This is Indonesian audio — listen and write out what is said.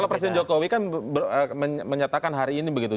kalau presiden jokowi kan menyatakan hari ini begitu